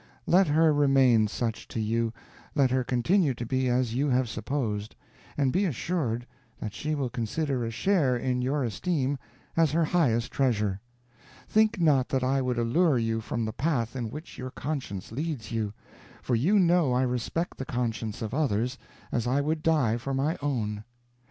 Let her remain such to you, let her continue to be as you have supposed, and be assured that she will consider a share in your esteem as her highest treasure. Think not that I would allure you from the path in which your conscience leads you; for you know I respect the conscience of others, as I would die for my own.